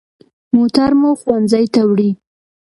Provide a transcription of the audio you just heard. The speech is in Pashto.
موټر مو ښوونځي ته وړي.